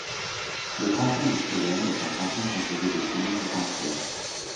Le canton de Solesmes est un canton composé de communes entières.